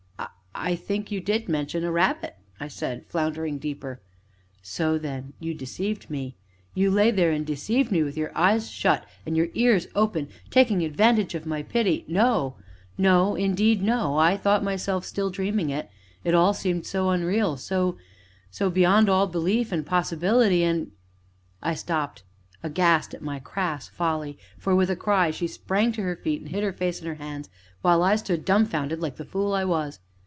"I I think you did mention a rabbit," said I, floundering deeper. "So, then you deceived me, you lay there and deceived me with your eyes shut, and your ears open, taking advantage of my pity " "No, no indeed, no I thought myself still dreaming; it it all seemed so unreal, so so beyond all belief and possibility and " I stopped, aghast at my crass folly, for, with a cry, she sprang to her feet, and hid her face in her hands, while I stood dumbfounded, like the fool I was.